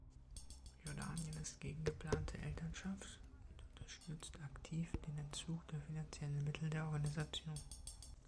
Jordanien ist gegen geplante Elternschaft und unterstützt aktiv die den Entzug der finanziellen Mittel der Organisation.